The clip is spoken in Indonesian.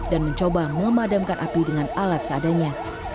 dan mencoba memadamkan api dengan alat seadanya